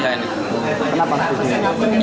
kenapa pasusnya ini